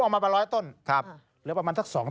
ผมเอามาประมาณ๑๐๐ต้นหรือประมาณสัก๒ต้น